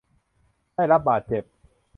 ได้รับบาดเจ็บ